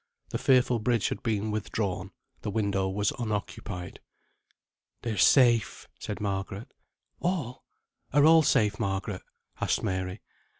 The fearful bridge had been withdrawn; the window was unoccupied. "They are safe," said Margaret. "All? Are all safe, Margaret?" asked Mary.